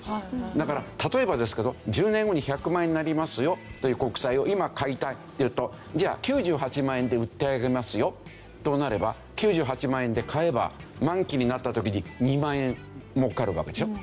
だから例えばですけど１０年後に１００万円になりますよという国債を今買いたいっていうとじゃあ９８万円で売ってあげますよとなれば９８万円で買えば満期になった時に２万円儲かるわけでしょ。